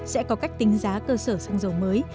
sẽ có cách tính giá cơ sở xăng dầu mới